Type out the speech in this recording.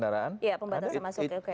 harusnya pembatasan kendaraan